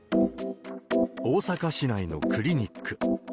大阪市内のクリニック。